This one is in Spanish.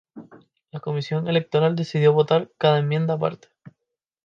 La Comisión Electoral decidió votar cada enmienda aparte.